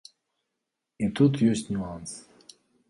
І тут ёсць нюанс.